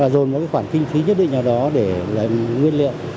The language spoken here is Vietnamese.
dồn một khoản kinh phí nhất định nào đó để làm nguyên liệu